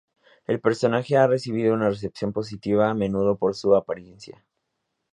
El personaje ha recibido una recepción positiva a menudo por su apariencia.